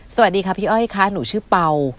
สวัสดีค่ะพี่อ้อยค่ะหนูชื่อเป่า